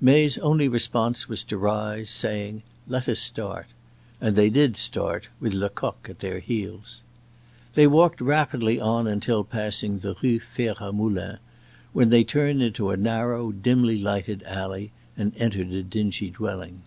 May's only response was to rise, saying: "Let us start." And they did start, with Lecoq at their heels. They walked rapidly on until passing the Rue Fer a Moulin, when they turned into a narrow, dimly lighted alley, and entered a dingy dwelling.